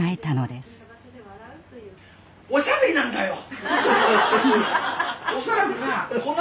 「おしゃべりなんだよ！」。